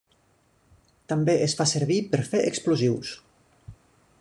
També es fa servir per fer explosius.